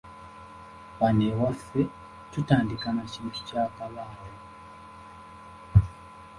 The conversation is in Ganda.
Wano ewaffe tutandika na kintu kyakabaawo.